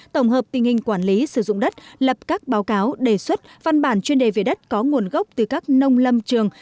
tổng hợp tình hình quản lý sử dụng đất lập các báo cáo đề xuất văn bản chuyên đề về đất có nguồn gốc từ các nông lâm trường